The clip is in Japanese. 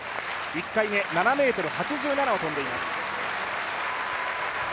１回目、７ｍ８７を跳んでいます。